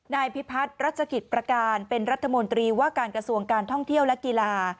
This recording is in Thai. นายพิพัฒน์รัชกิจประการเป็นรัฐมนตรีว่าการกระทรวงการท่องเที่ยวและกีฬา